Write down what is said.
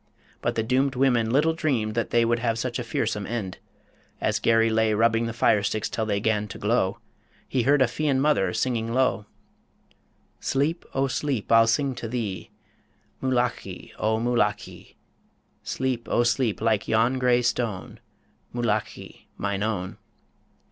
But the doomed women little dreamed that they Would have such fearsome end ... As Garry lay Rubbing the firesticks till they 'gan to glow, He heard a Fian mother singing low _Sleep, O sleep, I'll sing to thee Moolachie, O moolachie. Sleep, O sleep, like yon grey stone, Moolachie, mine own.